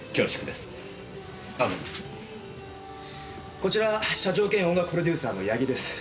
こちら社長兼音楽プロデューサーの八木です。